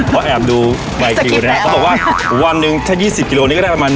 พอแอบดูอันนี้เขาบอกว่าวันนึงถ้า๒๐กิโลกรัมนี่ก็ได้ประมาณ